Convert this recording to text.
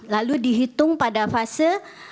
lalu dihitung pada fase